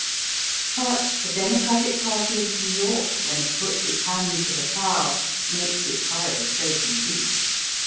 But the Democratic party of New York when it puts its hand to the plough makes its farrow straight and deep.